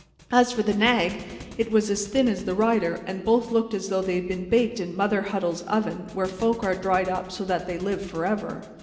As for the nag, it was as thin as the rider, and both looked as though they had been baked in Mother Huddle's Oven, where folk are dried up so that they live forever.